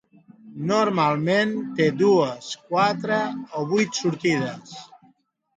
Normalment, té dues, quatre o vuit sortides.